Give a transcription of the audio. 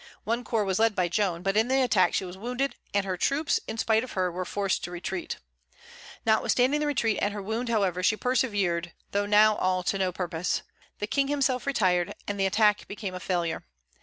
One corps was led by Joan; but in the attack she was wounded, and her troops, in spite of her, were forced to retreat. Notwithstanding the retreat and her wound, however, she persevered, though now all to no purpose. The King himself retired, and the attack became a failure.